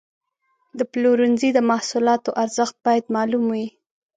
د پلورنځي د محصولاتو ارزښت باید معلوم وي.